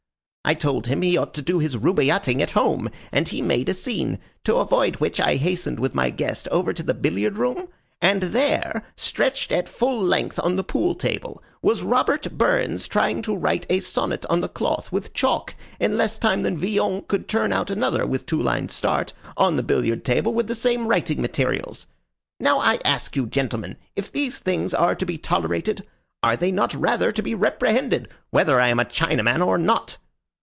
I told him he ought to do his rubaiyatting at home, and he made a scene, to avoid which I hastened with my guest over to the billiard room; and there, stretched at full length on the pool table, was Robert Burns trying to write a sonnet on the cloth with chalk in less time than Villon could turn out another, with two lines start, on the billiard table with the same writing materials. Now I ask you, gentlemen, if these things are to be tolerated? Are they not rather to be reprehended, whether I am a Chinaman or not?"